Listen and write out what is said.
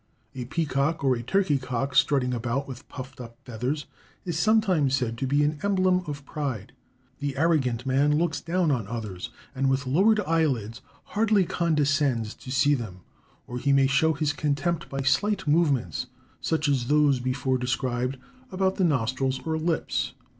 A peacock or a turkey cock strutting about with puffed up feathers, is sometimes said to be an emblem of pride. The arrogant man looks down on others, and with lowered eyelids hardly condescends to see them; or he may show his contempt by slight movements, such as those before described, about the nostrils or lips.